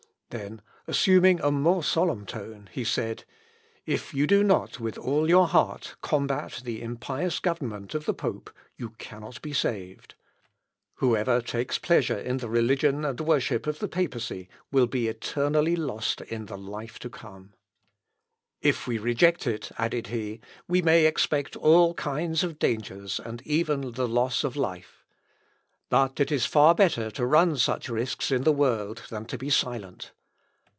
Then, assuming a more solemn tone, he said, "If you do not, with all your heart, combat the impious government of the pope, you cannot be saved. Whoever takes pleasure in the religion and worship of the papacy will be eternally lost in the life to come." "Muss ewig in jenem Leben verlohren seyn." L. Op. (L.) xvii, p. 333. "If we reject it," added he, "we may expect all kinds of dangers and even the loss of life. But it is far better to run such risks in the world than to be silent!